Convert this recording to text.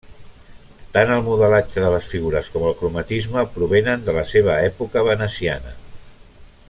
Tant el modelatge de les figures com el cromatisme provenen de la seva època veneciana.